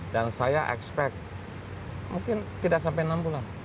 dan saya expect mungkin tidak sampai enam bulan